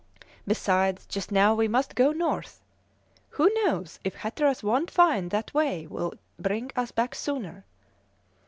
Besides, just now we must go north. Who knows if Hatteras won't find that way will bring us back sooner?